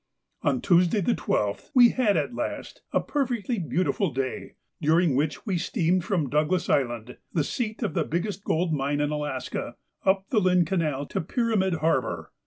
On Tuesday the 12th we had at last a perfectly beautiful day, during which we steamed from Douglas Island, the seat of the biggest gold mine in Alaska, up the Lynn Canal to Pyramid Harbour.